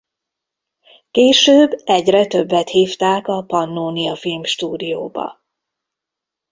Később egyre többet hívták a Pannónia Filmstúdióba.